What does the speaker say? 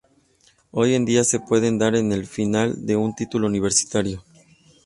Hoy en día, se pueden dar en el final de un título universitario.